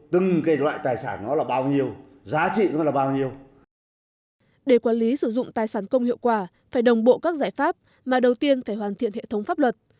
để quản lý sử dụng tài sản công hiệu quả phải đồng bộ các giải pháp mà đầu tiên phải hoàn thiện hệ thống pháp luật